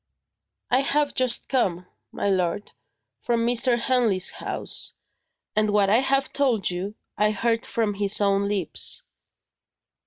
"I have just come, my lord, from Mr. Henley's house; and what I have told you, I heard from his own lips."